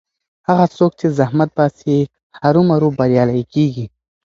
هغه څوک چې زحمت باسي هرو مرو بریالی کېږي.